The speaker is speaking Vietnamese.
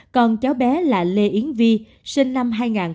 còn cháu bé là lê yến vi sinh năm hai nghìn một mươi bảy